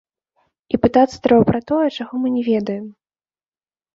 І пытацца трэба пра тое, чаго мы не ведаем.